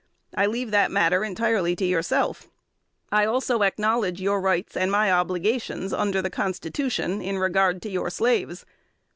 I leave that matter entirely to yourself. I also acknowledge your rights and my obligations under the Constitution in regard to your slaves.